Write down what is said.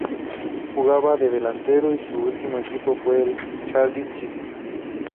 Jugaba de delantero y su último equipo fue el Cardiff City.